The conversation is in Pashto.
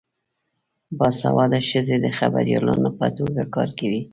باسواده ښځې د خبریالانو په توګه کار کوي.